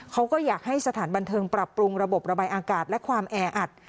เขาก็อยากให้สถานบันเทิงปรับปรุงระบบระบายอากาศและความแออัด